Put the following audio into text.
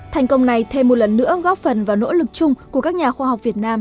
thành công này thêm một lần nữa góp phần vào nỗ lực chung của các nhà khoa học việt nam